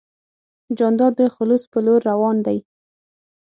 جانداد د خلوص په لور روان دی.